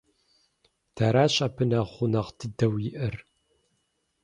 Дэращ абы нэхъ гъунэгъу дыдэу иӀэр.